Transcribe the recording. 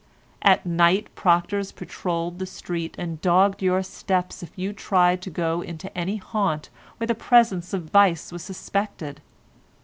At night proctors patrolled the street and dogged your steps if you tried to go into any haunt where the presence of vice was suspected.